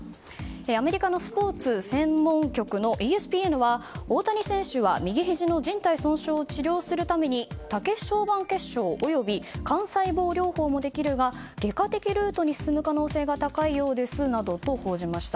アメリカのスポーツ専門局のＥＳＰＮは大谷選手は右ひじのじん帯損傷を治療するために肝細胞療法もできるが外科的ルートに進む可能性が高いようですなどと報じました。